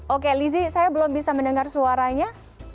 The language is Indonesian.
oke lizzie saya belum bisa mendengar suaranya